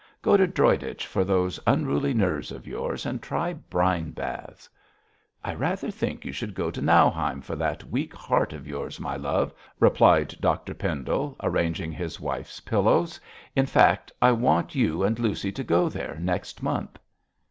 Go to Droitwich for those unruly nerves of yours, and try brine baths.' 'I rather think you should go to Nauheim for that weak heart of yours, my love,' replied Dr Pendle, arranging his wife's pillows; 'in fact, I want you and Lucy to go there next month.'